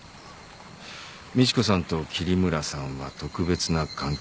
美知子さんと桐村さんは特別な関係だった。